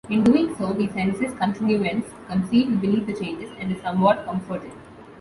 In doing so, he senses continuance concealed beneath the changes, and is somewhat comforted.